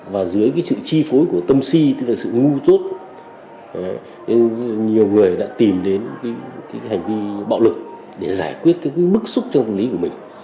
và dưới cái sự chi phối của tâm si tức là sự ngu tốt nhiều người đã tìm đến cái hành vi bạo lực để giải quyết cái mức xúc trong lý của mình